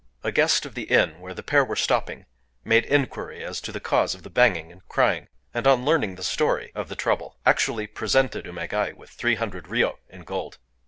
A guest of the inn where the pair were stopping made inquiry as to the cause of the banging and the crying, and, on learning the story of the trouble, actually presented Umégaë with three hundred ryō (3) in gold.